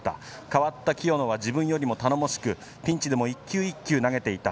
変わった清野は自分よりも頼もしくピンチでも一球一球投げていた。